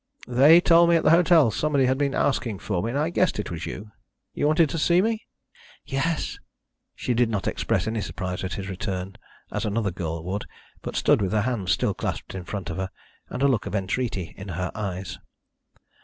"They told me at the hotel somebody had been asking for me, and I guessed it was you. You wanted to see me?" "Yes." She did not express any surprise at his return, as another girl would, but stood with her hands still clasped in front of her, and a look of entreaty in her eyes.